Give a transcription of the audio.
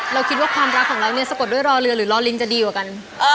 เราคิดว่าความรักของเราเนี่ยสะกดด้วยรอเรือหรือรอลินจะดีกว่ากัน